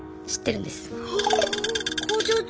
知ってるんです。